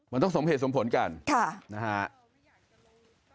มันต้องสมเหตุสมผลกันนะครับ